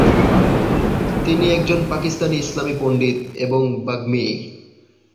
তিনি একজন পাকিস্তানি ইসলামি পণ্ডিত এবং বাগ্মী।